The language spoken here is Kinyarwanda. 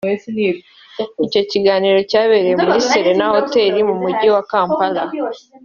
Icyo kiganiro cyabereye muri Serena Hotel mu Mujyi wa Kampala